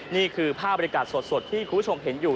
นี่คือภาพบริการสดที่คุณผู้ชมเห็นอยู่